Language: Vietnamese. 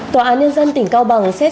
tòa án nhân dân tỉnh cao bằng xét xét